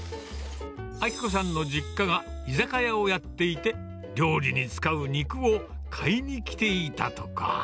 暁子さんの実家が居酒屋をやっていて、料理に使う肉を買いに来ていたとか。